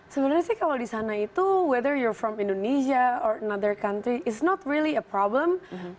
sebenarnya sih kalau di sana itu apakah kamu dari indonesia atau negara lain itu bukan masalah sebenarnya